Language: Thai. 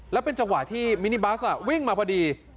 แล้วเป็นจังหวะที่มินิบัสวิ่งมาพอดี